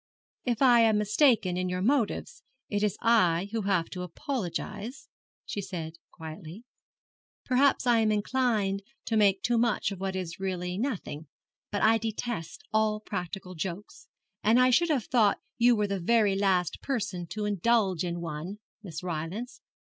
'If I am mistaken in your motives it is I who have to apologize,' she said, quietly. 'Perhaps I am inclined to make too much of what is really nothing. But I detest all practical jokes, and I should have thought you were the very last person to indulge in one, Miss Rylance.